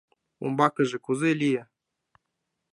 Умбакыже кузе лие?